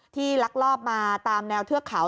ลักลอบมาตามแนวเทือกเขา